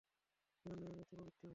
এজন্যই আমি এতে প্রবৃত্ত হয়েছি।